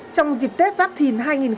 trong dịp tết giáp thìn